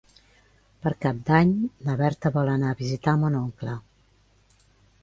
Per Cap d'Any na Berta vol anar a visitar mon oncle.